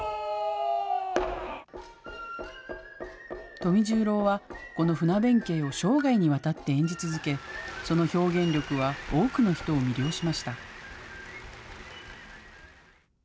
富十郎は、この船弁慶を生涯にわたって演じ続け、その表現力は多くの人を魅了しました。